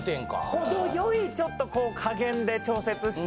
程良いちょっと加減で調節して。